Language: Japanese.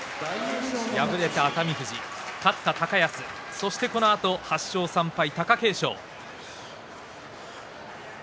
敗れた熱海富士勝った高安、そしてこのあと８勝３敗、貴景勝。